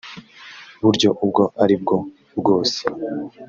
buryo ubwo aribwo bwose